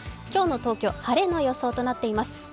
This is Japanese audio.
今日の東京、晴れの予想となっています。